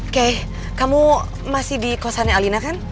oke kamu masih di kosannya alina kan